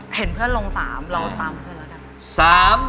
เห็นเพื่อนลง๓เราตามเพื่อนแล้วกัน